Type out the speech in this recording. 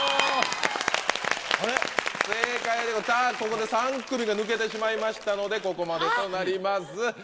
ここで３組が抜けてしまいましたのでここまでとなります。